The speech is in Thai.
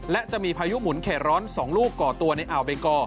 และจะมีพายุหมุนเขตร้อน๒ลูกก่อตัวในอ่าวเบงกอ